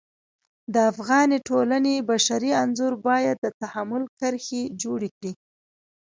د افغاني ټولنې بشري انځور باید د تحمل کرښې جوړې کړي.